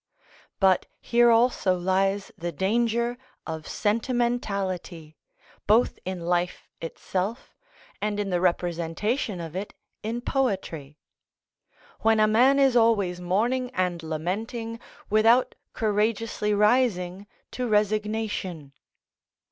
But here also lies the danger of sentimentality, both in life itself and in the representation of it in poetry; when a man is always mourning and lamenting without courageously rising to resignation.